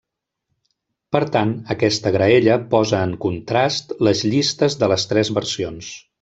Per tant, aquesta graella posa en contrast les llistes de les tres versions.